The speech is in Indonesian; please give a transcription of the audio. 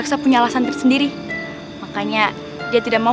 kau tidak akan bisa mahu